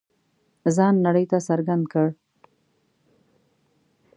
ځان نړۍ ته څرګند کړ.